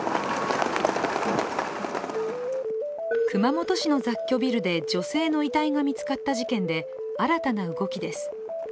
熊本市の雑居ビルで女性の遺体が見つかった事件で、新たな動きです。